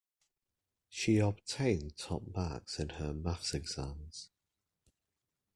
She obtained top marks in her maths exams.